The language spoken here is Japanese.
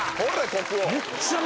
国王